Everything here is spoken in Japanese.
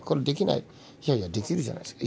いやいやできるじゃないですか。